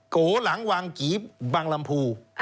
ก๋าเหลงวังก๋ีบังลำพู